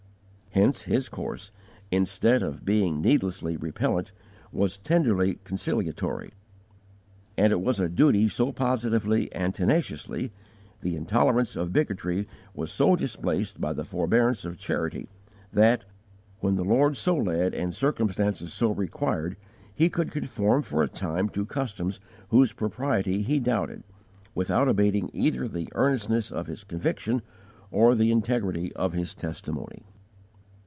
Hence his course, instead of being needlessly repellant, was tenderly conciliatory; and it was a conspicuous sign of grace that, while holding his own views of truth and duty so positively and tenaciously, the intolerance of bigotry was so displaced by the forbearance of charity that, when the Lord so led and circumstances so required, he could conform for a time to customs whose propriety he doubted, without abating either the earnestness of his conviction or the integrity of his testimony.